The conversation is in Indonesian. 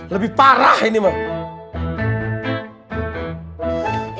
lebih parah ini mah